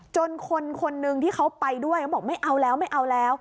จนคนคนหนึ่งที่เขาไปด้วยเขาบอกไม่เอาแล้วไม่เอาแล้ว